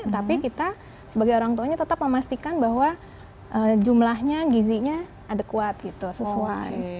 tapi kita sebagai orang tuanya tetap memastikan bahwa jumlahnya giziknya adekuat gitu sesuai